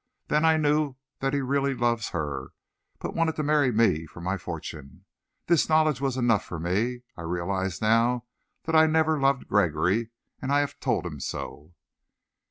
Then I knew that he really loves her, but wanted to marry me for my fortune. This knowledge was enough for me. I realize now that I never loved Gregory, and I have told him so."